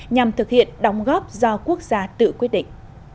nhằm thực hiện đóng góp do quốc gia tự quyết định